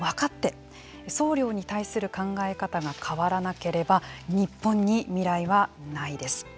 送料に対する考え方が変わらなければ日本に未来はないです。